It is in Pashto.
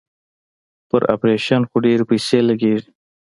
پر اپرېشن خو ډېرې پيسې لگېږي.